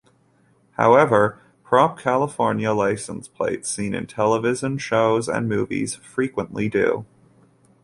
However, prop California license plates seen in television shows and movies frequently do.